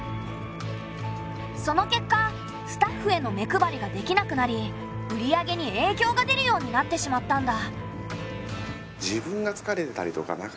その結果スタッフへの目配りができなくなり売り上げにえいきょうが出るようになってしまったんだ。